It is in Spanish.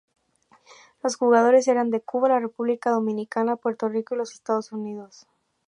Los jugadores eran de Cuba, la República Dominicana, Puerto Rico, y los Estados Unidos.